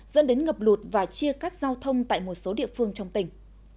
dẫn đến ngập lụt và chia cắt giao thông tại một số địa phương trong tỉnh